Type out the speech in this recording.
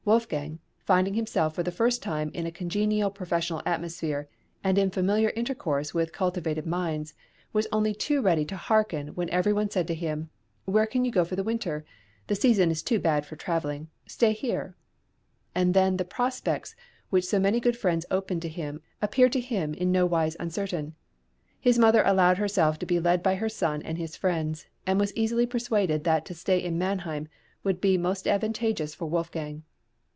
Wolfgang, finding himself for the first time in a congenial {THE ELECTOR.} (393) professional atmosphere, and in familiar intercourse with cultivated minds, was only too ready to hearken when every one said to him: "Where can you go in the winter? The season is too bad for travelling; stay here!" And then the prospects which so many good friends opened to him appeared to him in no wise uncertain. His mother allowed herself to be led by her son and his friends, and was easily persuaded that to stay in Mannheim would be most advantageous for Wolfgang.